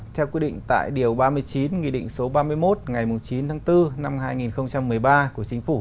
theo quy định tại điều ba mươi chín nghị định số ba mươi một ngày chín tháng bốn năm hai nghìn một mươi ba của chính phủ